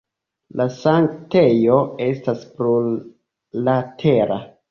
La sanktejo estas plurlatera.